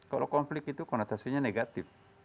kalau konflik itu konotasinya negatif